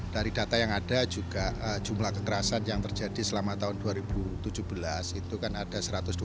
dari data yang ada juga jumlah kekerasan yang terjadi selama tahun dua ribu tujuh belas itu kan ada satu ratus dua puluh